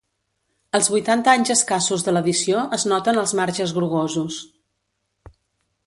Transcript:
Els vuitanta anys escassos de l’edició es noten als marges grogosos.